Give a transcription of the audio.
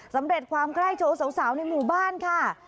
สำเร็จความใกล้โชว์สาวในหมู่บ้านค่ะ